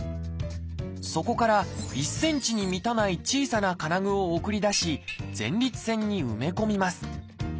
そこから１ｃｍに満たない小さな金具を送り出し前立腺に埋め込みます。